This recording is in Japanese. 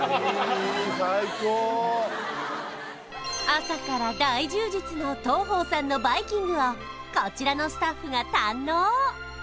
朝から大充実の東鳳さんのバイキングをこちらのスタッフが堪能！